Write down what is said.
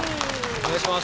お願いします